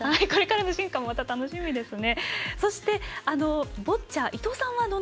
これからの進化また楽しみですね。